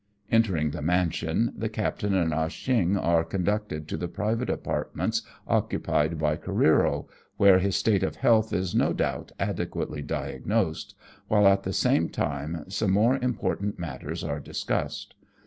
Entering the mansion, the captain and Ah Cheong are conducted to the private apartments occupied by Careero, where his state of health is no doubt adequately diagnosed, while at the same time some more im portant matters are discussed.